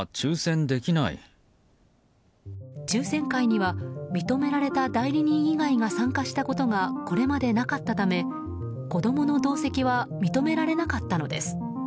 抽選会には認められた代理人以外が参加したことがこれまでなかったため子供の同席は認められなかったのです。